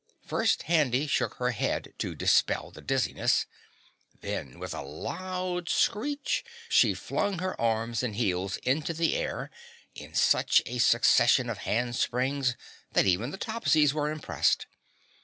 First Handy shook her head to dispel the dizziness, then with a loud screech, she flung her arms and heels into the air in such a succession of hand springs that even the Topsies were impressed.